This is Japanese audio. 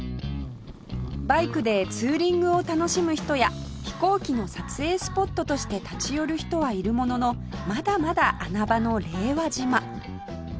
バイクでツーリングを楽しむ人や飛行機の撮影スポットとして立ち寄る人はいるもののまだまだ穴場の令和島